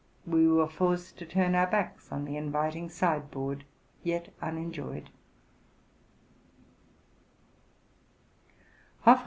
we were forced to turn our backs on the inviting side board, yet unenjoyed.